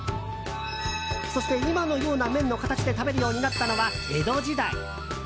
そして、今のような麺の形で食べるようになったのは江戸時代。